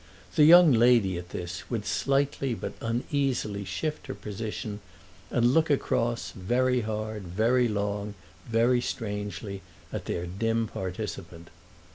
The young lady, at this, would slightly but uneasily shift her position and look across, very hard, very long, very strangely, at their dim participant.